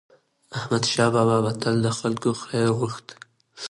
احمدشاه بابا به تل د خلکو خیر غوښت.